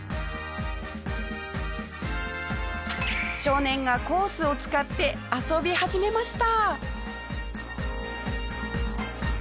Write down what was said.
少年がコースを使って遊び始めました。